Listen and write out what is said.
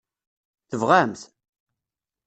Tebɣam-t?